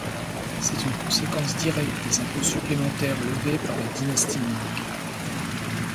C'est une conséquence directe des impôts supplémentaires levés par la dynastie Ming.